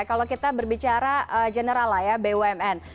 kalau kita berbicara general lah ya bumn